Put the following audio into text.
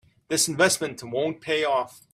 This investment won't pay off.